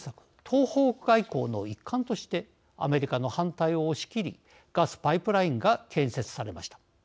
東方外交の一環としてアメリカの反対を押しきりガスパイプラインが建設されました。